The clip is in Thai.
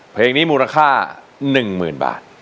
เพลงนี้มูลค่า๑หมื่นบาท